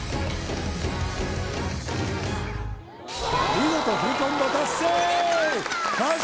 見事フルコンボ達成！